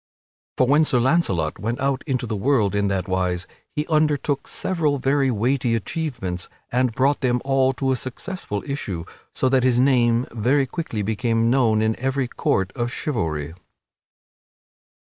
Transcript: For when Sir Launcelot went out into the world in that wise he undertook several very weighty achievements and brought them all to a successful issue, so that his name very quickly became known in every court of chivalry.